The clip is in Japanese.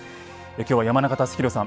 今日は山中龍宏さん